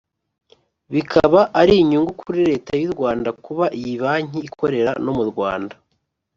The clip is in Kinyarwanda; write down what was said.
bikaba ari inyungu kuri Leta y’u Rwanda kuba iyi Banki ikorera no mu Rwanda